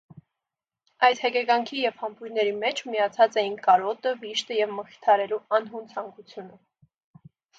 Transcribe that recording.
Այդ հեկեկանքի և համբույրների մեջ միացած էին կարոտը, վիշտը և մխիթարելու անհուն ցանկությունը: